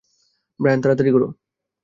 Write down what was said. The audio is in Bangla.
ব্রায়ান, তাড়াতাড়ি করো!